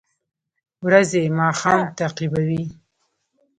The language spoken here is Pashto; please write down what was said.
ورځې ماښام تعقیبوي